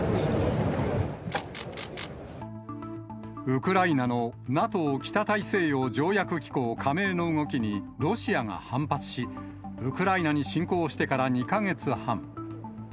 ウクライナのＮＡＴＯ・北大西洋条約機構加盟の動きに、ロシアが反発し、ウクライナに侵攻してから２か月半。